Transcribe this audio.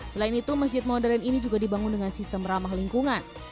selain itu masjid modern ini juga dibangun dengan sistem ramah lingkungan